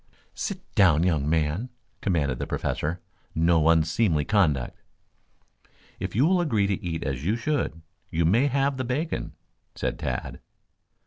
"Sit down, young man!" commanded the Professor. "No unseemly conduct." "If you will agree to eat as you should, you may have the bacon," said Tad.